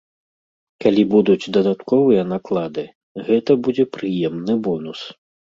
Калі будуць дадатковыя наклады, гэта будзе прыемны бонус.